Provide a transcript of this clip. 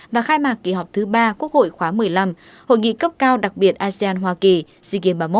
và khai mạc kỳ họp thứ ba quốc hội khóa một mươi năm hội nghị cấp cao đặc biệt asean hoa kỳ sea games ba mươi một